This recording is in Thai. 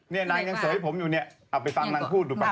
นี่นายยังเสริมให้ผมอยู่เนี่ยเอาไปฟังนางพูดดูป่ะ